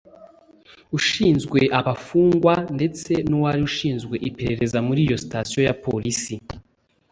ushinzwe abafungwa ndetse n’uwari ushinzwe iperereza muri iyo station ya Polisi